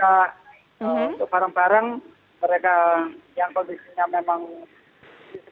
pada barang barang mereka yang kondisinya memang masih bisa diselamatkan